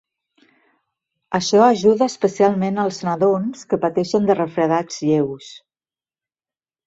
Això ajuda especialment als nadons que pateixen de refredats lleus.